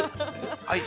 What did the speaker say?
はい！